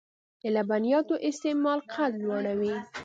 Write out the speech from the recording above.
د لبنیاتو استعمال قد لوړوي .